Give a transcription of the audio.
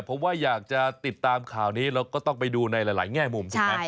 เพราะว่าอยากจะติดตามข่าวนี้เราก็ต้องไปดูในหลายแง่มุมถูกไหม